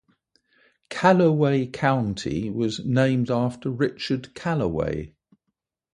Calloway county was named after Richard Callaway.